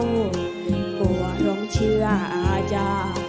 กลัวร้องเชื้ออาจจะ